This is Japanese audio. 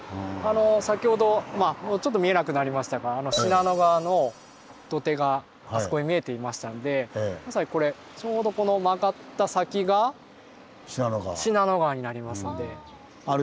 先ほどまあもうちょっと見えなくなりましたが信濃川の土手があそこに見えていましたんでまさにこれちょうどこのある時期は川だった可能性がある。